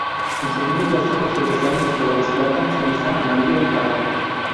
En su mundo plástico sobresalen los colores plata, ceniza, amarillo y pardo.